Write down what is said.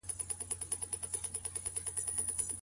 د روغتون پخلنځی څنګه دی؟